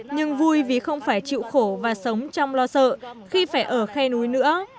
nhưng vui vì không phải chịu khổ và sống trong lo sợ khi phải ở khe núi nữa